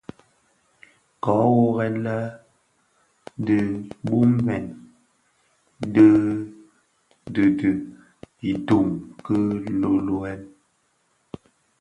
Köö worrè lè, di bubmèn din didhi idun ki lölölen.